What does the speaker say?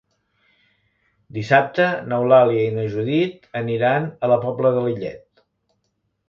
Dissabte n'Eulàlia i na Judit aniran a la Pobla de Lillet.